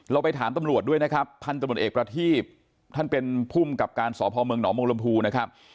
เราไปถามตำรวจด้วยนะครับท่านตำรวจเอกประทีท่านเป็นพุ่มกับการสอบภอมเมืองหนอมงลมภูนะครับ